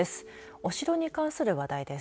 お城に関する話題です。